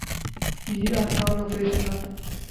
یہ آسان آپریشن نہ تھا۔